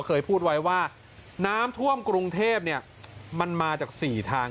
เคยพูดไว้ว่าน้ำท่วมกรุงเทพเนี่ยมันมาจาก๔ทาง